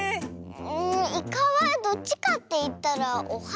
うんイカはどっちかっていったらおはしかな。